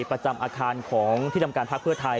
ประจำอาคารของที่ทำการพักเพื่อไทย